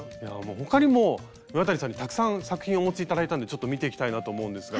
他にも岩谷さんにたくさん作品をお持ち頂いたんでちょっと見ていきたいなと思うんですが。